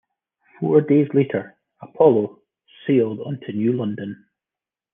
Four days later, "Apollo" sailed on to New London.